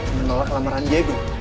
menolak kelamaran diego